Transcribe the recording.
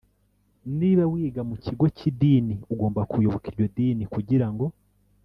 niba wiga mu kigo cyidini ugomba kuyoboka iryo dini kugirango.